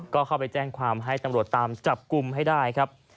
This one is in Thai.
ก็เข้าไปแจ้งความให้ตำรวจตามจับกลุ่มให้ได้ครับ